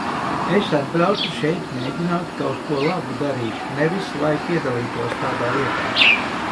Es atbraucu šeit mēģināt kaut ko labu darīt, nevis lai piedalītos tādā lietā.